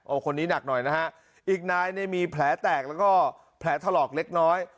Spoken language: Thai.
คนนี้หนักหน่อยนะฮะอีกนายเนี่ยมีแผลแตกแล้วก็แผลถลอกเล็กน้อย